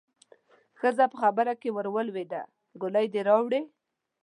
ښځه په خبره کې ورولوېده: ګولۍ دې راوړې؟